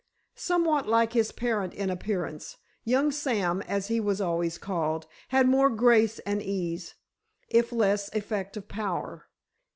Somewhat like his parent in appearance, young Sam, as he was always called, had more grace and ease, if less effect of power.